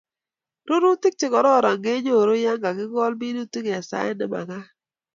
rurutik chekororon kenyoruu yakakikol minutik en sait nemakat